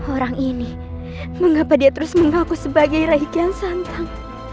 orang ini mengapa dia terus mengaku sebagai raih kian santan